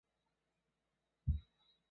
贵州大学前任校长是陈坚。